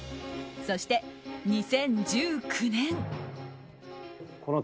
そして、２０１９年。